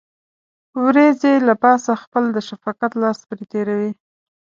وريځې له پاسه خپل د شفقت لاس پرې تېروي.